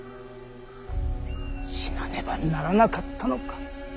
死なねばならなかったのか。